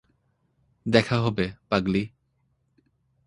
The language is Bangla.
দেখা হবে, পাগলী।